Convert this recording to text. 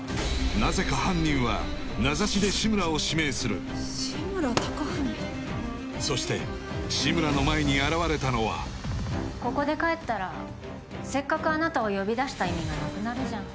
なぜか犯人は名指しで志村を指名するそして志村の前に現れたのはここで帰ったらせっかくあなたを呼び出した意味がなくなるじゃん